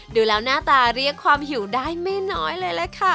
ดูแล้วหน้าตาเรียกความหิวได้ไม่น้อยเลยล่ะค่ะ